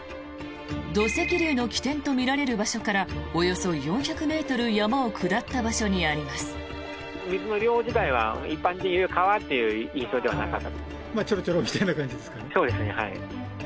土石流の起点とみられる場所からおよそ４００ｍ山を下った場所にあります。